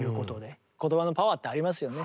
言葉のパワーってありますよね。